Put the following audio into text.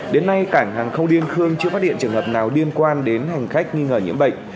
đến nay cảng hàng không điên khương chưa phát hiện trường hợp nào liên quan đến hành khách nghi ngờ nhiễm bệnh